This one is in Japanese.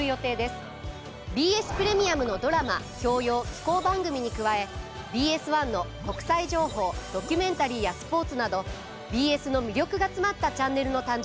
ＢＳプレミアムのドラマ教養紀行番組に加えＢＳ１の国際情報ドキュメンタリーやスポーツなどＢＳの魅力が詰まったチャンネルの誕生です。